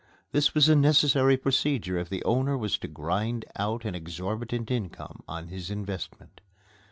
This was a necessary procedure if the owner was to grind out an exorbitant income on his investment.